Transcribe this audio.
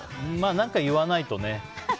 何か言わないとね。